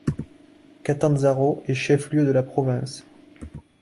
Catanzaro est chef-lieu de la province.